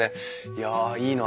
いやいいな。